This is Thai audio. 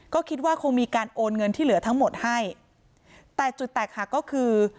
ก็คิดว่าคงมีการโอนเงินที่เหลือทั้งหมดให้แต่จุดแตกหักก็คือ